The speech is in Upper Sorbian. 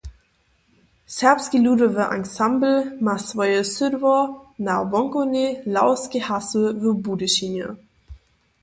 Serbski ludowy ansambl ma swoje sydło na Wonkownej Lawskej hasy w Budyšinje.